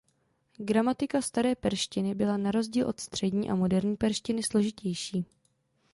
Gramatika staré perštiny byla na rozdíl od střední a moderní perštiny složitější.